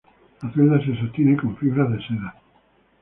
La celda se sostiene con fibras de seda.